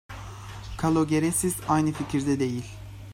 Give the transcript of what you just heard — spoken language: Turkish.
Kalogeresis aynı fikirde değil.